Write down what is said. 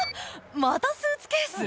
またスーツケース！